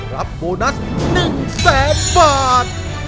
โบนัส๑แสนบาท